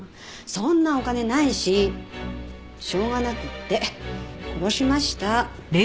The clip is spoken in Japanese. そんなお金ないししょうがなくって殺しました。